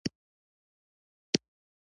حقایق سر نه سره خوري.